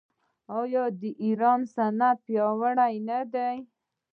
آیا د ایران صنعت پیاوړی نه دی؟